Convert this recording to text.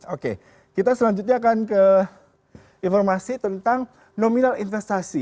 oke kita selanjutnya akan ke informasi tentang nominal investasi